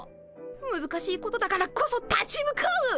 むずかしいことだからこそ立ち向かう。